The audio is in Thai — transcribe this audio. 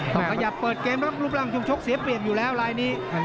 ต้องขยับเปิดเกมแล้วลูกร่างชุมชกเสียเปลี่ยนอยู่แล้วรายนี้